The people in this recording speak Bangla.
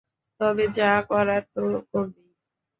তবে যা করার তা করবেই।